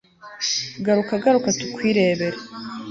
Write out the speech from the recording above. garuka, garuka, tukwirebere